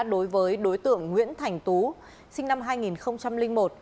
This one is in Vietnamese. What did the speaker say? đối với đối tượng nguyễn thành tú sinh năm hai nghìn một